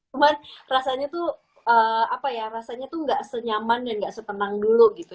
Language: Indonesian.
cuman rasanya tuh apa ya rasanya tuh gak senyaman dan gak setenang dulu gitu